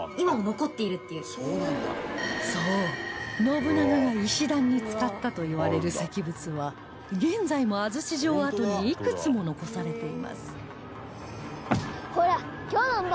そう信長が石段に使ったといわれる石仏は現在も安土城跡にいくつも残されています